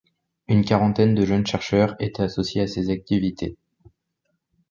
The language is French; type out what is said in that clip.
Une quarantaine de jeunes chercheurs étaient associés à ses activités.